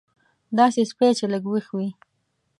داسې سپی چې لږ وېښ وي.